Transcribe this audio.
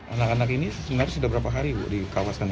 anak anak ini sebenarnya sudah berapa hari dikawaskan